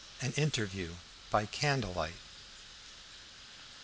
AN INTERVIEW BY CANDLELIGHT.